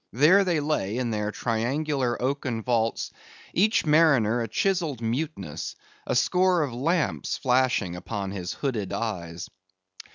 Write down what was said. There they lay in their triangular oaken vaults, each mariner a chiselled muteness; a score of lamps flashing upon his hooded eyes.